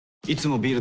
ビール